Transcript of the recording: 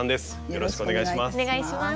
よろしくお願いします。